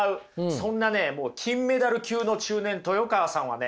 そんなね金メダル級の中年豊川さんはね